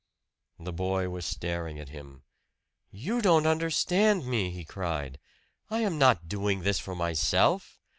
The boy was staring at him. "You don't understand me!" he cried. "I am not doing this for myself!